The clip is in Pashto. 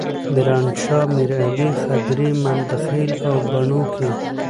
میرانشاه، میرعلي، خدري، ممندخیل او بنو کې.